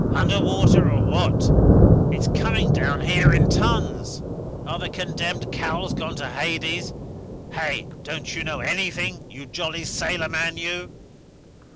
Under water or what? It's coming down here in tons. Are the condemned cowls gone to Hades? Hey? Don't you know anything you jolly sailor man you